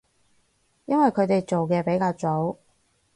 因為佢哋做嘅比較早